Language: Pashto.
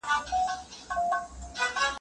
د شها ګوتې شوې پورته له ادابه